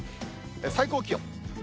最高気温。